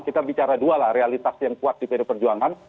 kedua lah realitas yang kuat di pd perjuangan